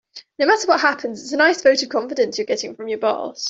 No matter what happens, it's a nice vote of confidence you're getting from your boss.